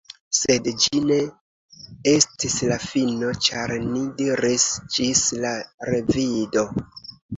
Sed ĝi ne estis la fino, ĉar ni diris, “Ĝis la revido!”